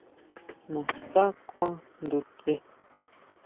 ¿Naská kjuan ndutsje?